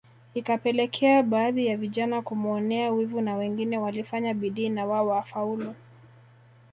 Ikapelekea baadhi ya vijana kumuonea wivu na wengine walifanya bidii na wao wafaulu